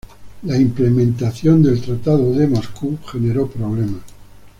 La implementación del Tratado de Moscú generó problemas.